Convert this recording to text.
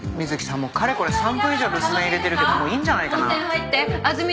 もうかれこれ３分以上留守電入れてるけどもういいんじゃないかな？